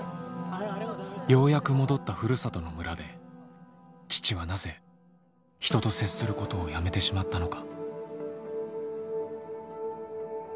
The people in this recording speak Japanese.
ようやく戻ったふるさとの村で父はなぜ人と接することをやめてしまったのか。